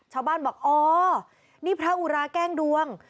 ชาวบ้านบอกอ๋อนี่พระอุราแกล้งดวง